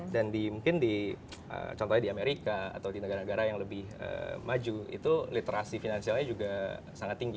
dan di mungkin di contohnya di amerika atau di negara negara yang lebih maju itu literasi finansialnya juga sangat tinggi